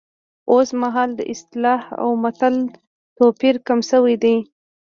اوس مهال د اصطلاح او متل توپیر کم شوی دی